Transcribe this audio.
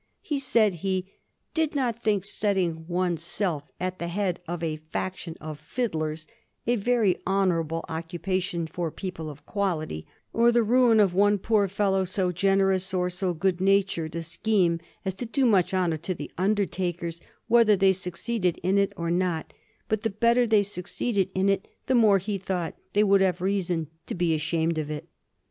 He said he '^ did not think setting one's self at the head of a faction of fiddlers a very honorable occupa tion for people of quality, or the ruin of one poor fellow so generous or so good natured a scheme as to do much honor to the undertakers, whether they succeeded in it or not ; but, the better they succeeded in it, the more he thought they would have reason to be ashamed of it."